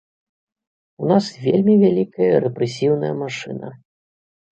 У нас вельмі вялікая рэпрэсіўная машына.